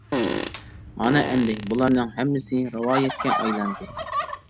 مانا ئەمدى بۇلارنىڭ ھەممىسى رىۋايەتكە ئايلاندى.